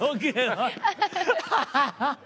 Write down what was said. ハハハハ！